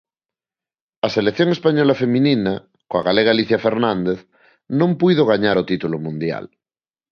A selección española feminina, coa galega Alicia Fernández, non puido gañar o título mundial.